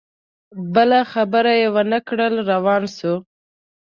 بله خبره یې ونه کړه روان سو